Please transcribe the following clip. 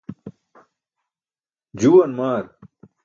juuwan maar